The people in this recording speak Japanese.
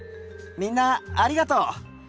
みんなありがとう。